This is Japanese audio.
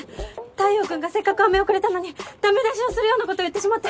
太陽君がせっかく飴をくれたのにダメ出しをするようなこと言ってしまって！